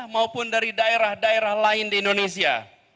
maupun dari daerah daerah lain di indonesia